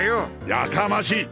やかましい！